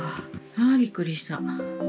ああびっくりした。